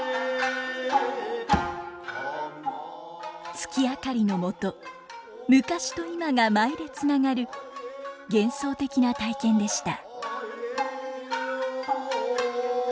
月明かりの下昔と今が舞でつながる幻想的な体験でした。